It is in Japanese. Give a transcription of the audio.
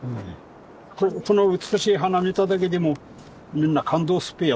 この美しい花見ただけでもみんな感動すっぺや。